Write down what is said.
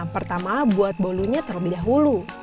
pertama buat bolunya terlebih dahulu